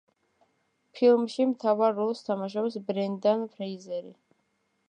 ფილმში მთავარ როლს თამაშობს ბრენდან ფრეიზერი.